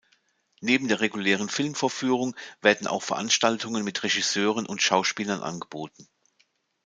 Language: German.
Neben der regulären Filmvorführung werden auch Veranstaltungen mit Regisseuren und Schauspielern angeboten.